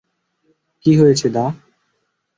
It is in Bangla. কী হয়েছে, দা?